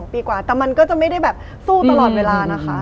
ปีกว่าแต่มันก็จะไม่ได้แบบสู้ตลอดเวลานะคะ